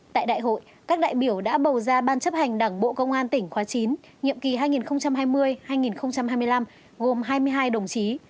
tại đại hội các đại biểu đã bầu ra ban chấp hành đảng bộ công an tỉnh khóa chín nhiệm kỳ hai nghìn hai mươi hai nghìn hai mươi năm gồm hai mươi hai đồng chí